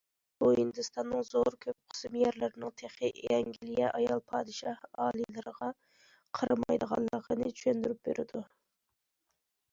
بۇ ھىندىستاننىڭ زور كۆپ قىسىم يەرلىرىنىڭ تېخى ئەنگلىيە ئايال پادىشاھ ئالىيلىرىغا قارىمايدىغانلىقىنى چۈشەندۈرۈپ بېرىدۇ.